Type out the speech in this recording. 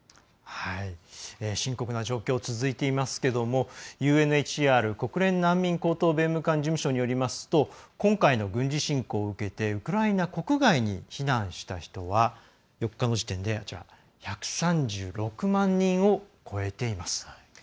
深刻な状況が続いていますけれどもＵＮＨＣＲ＝国連難民高等弁務官事務所によりますと今回の軍事侵攻を受けてウクライナ国外に避難した人は、４日の時点で１３６万人を超えています。